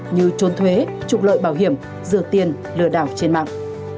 như trốn thuế trục lợi bảo hiểm rửa tiền lừa đảo trên mạng